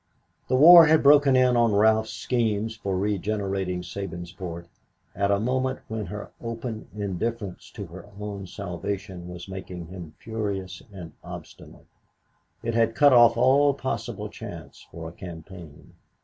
The war had broken in on Ralph's schemes for regenerating Sabinsport at a moment when her open indifference to her own salvation was making him furious and obstinate. It had cut off all possible chance for a campaign.